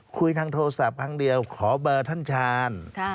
คุยทางโทรศัพท์ครั้งเดียวขอเบอร์ท่านชาญ